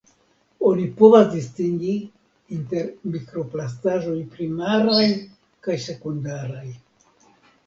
Oni povas distingi inter mikroplastaĵoj primaraj kaj sekundaraj.